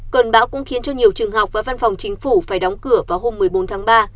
cơn bão cũng khiến cho nhiều trường học và văn phòng chính phủ phải đóng cửa vào hôm một mươi bốn tháng ba